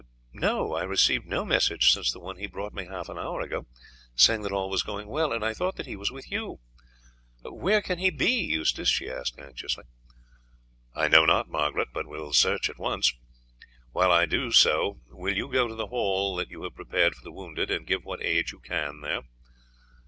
"No, I received no message since the one he brought me half an hour ago, saying that all was going well, and I thought that he was with you. Where can he be, Eustace?" she asked anxiously. "I know not indeed, Margaret, but will search at once. While I do so will you go to the hall that you have prepared for the wounded, and give what aid you can there?